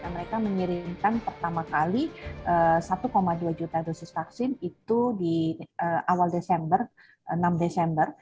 mereka mengirimkan pertama kali satu dua juta dosis vaksin itu di awal desember enam desember